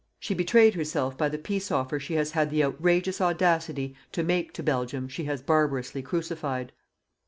She betrayed herself by the peace offer she has had the outrageous audacity to make to Belgium she has barbarously crucified.